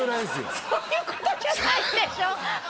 そういうことじゃないでしょ